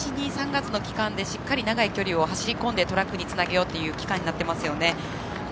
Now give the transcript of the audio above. １、２月の長い期間でしっかり長い距離を走り込んでトラックにつなげようという期間になっていますよね。